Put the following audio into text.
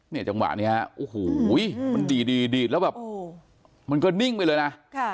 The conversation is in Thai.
เนี่ยจังหวะเนี้ยโอ้โหมันดีแล้วแบบมันก็นิ่งไปเลยนะ